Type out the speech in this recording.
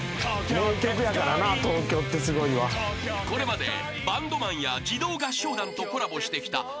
［これまでバンドマンや児童合唱団とコラボしてきた］